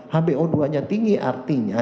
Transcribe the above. hbo dua nya tinggi artinya